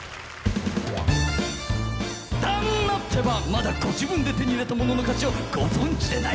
旦那ってばまだご自分で手に入れたものの価値をご存じでない。